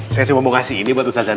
saya cuma mau kasih ini buat usazan